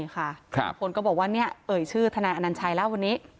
คนก็บอกว่าเปิดชื่อธนาฬินัยอนันชายแล้ววันนี้